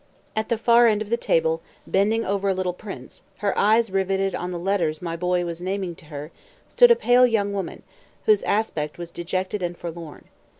At the far end of the table, bending over a little prince, her eyes riveted on the letters my boy was naming to her, stood a pale young woman, whose aspect was dejected and forlorn.